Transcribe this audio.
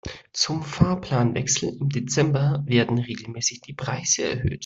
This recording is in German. Zum Fahrplanwechsel im Dezember werden regelmäßig die Preise erhöht.